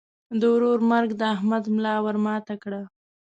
د ورور مرګ د احمد ملا ور ماته کړه.